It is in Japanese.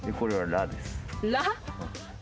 「ラ」？